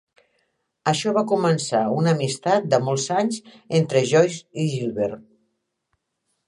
Això va començar una amistat de molts anys entre Joyce i Gilbert.